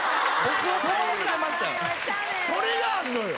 それがあんのよ。